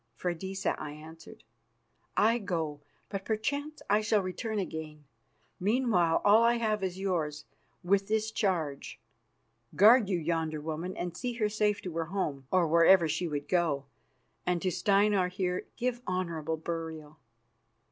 "Freydisa," I answered, "I go, but perchance I shall return again. Meanwhile, all I have is yours, with this charge. Guard you yonder woman, and see her safe to her home, or wherever she would go, and to Steinar here give honourable burial."